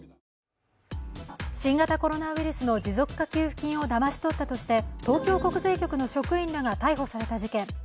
新型コロナウイルスの持続化給付金をだまし取ったとして東京国税局の職員らが逮捕された事件。